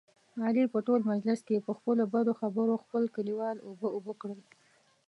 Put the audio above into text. علي په ټول مجلس کې، په خپلو بدو خبرو خپل کلیوال اوبه اوبه کړل.